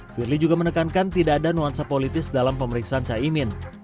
firly juga menekankan tidak ada nuansa politis dalam pemeriksaan caimin